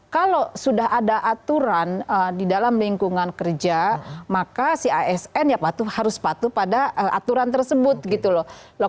kalau sudah ada aturan di dalam lingkungan kerja maka si asn ya harus patuh pada aturan tersebut gitu loh